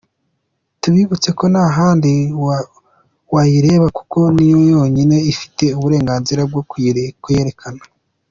Tubibutse ko nta handi wayirebera kuko niyo yo nyine ifite uburenganzira bwo kuyirekana.